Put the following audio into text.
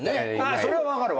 それは分かる。